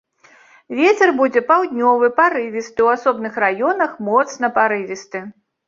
Вецер будзе паўднёвы парывісты, у асобных раёнах моцны парывісты.